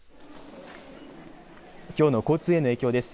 きょうの交通への影響です。